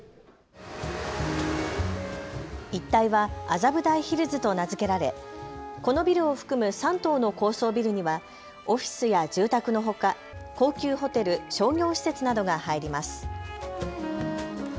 一帯は麻布台ヒルズと名付けられこのビルを含む３棟の高層ビルにはオフィスや住宅のほか高級ホテル、商業施設などが入ります。